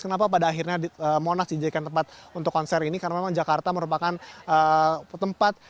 kenapa pada akhirnya monas dijadikan tempat untuk konser ini karena memang jakarta merupakan tempat